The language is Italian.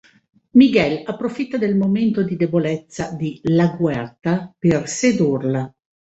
Miguel approfitta del momento di debolezza di La Guerta per sedurla.